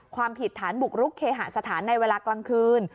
ความผิดฐานบุกรุกเคหสถานในเวลากลางคืน